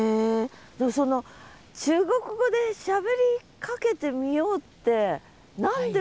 でもその中国語でしゃべりかけてみようって何で？